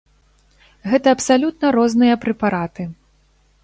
Гэта абсалютна розныя прэпараты.